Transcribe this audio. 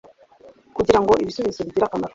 kugirango ibisubizo bigire akamaro